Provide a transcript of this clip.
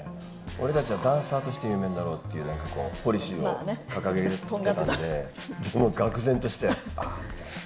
俺たちはダンサーとして有名になろうっていう、なんかポリシーを掲げてたんで、もうがく然として、ああ、みたいな。